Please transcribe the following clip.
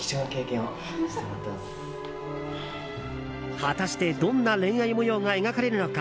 果たして、どんな恋愛模様が描かれるのか。